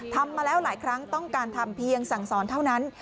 ทำมาแล้วหลายครั้งต้องการทำเพียงสั่งสอนเท่านั้น